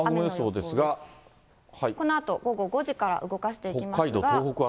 このあと午後５時から動かしていきますが。